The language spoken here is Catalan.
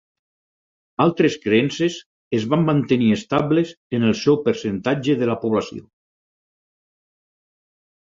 Altres creences es van mantenir estables en el seu percentatge de la població.